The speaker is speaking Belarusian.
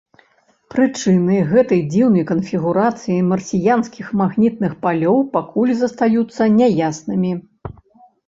Прычыны гэтай дзіўнай канфігурацыі марсіянскіх магнітных палёў пакуль застаюцца няяснымі.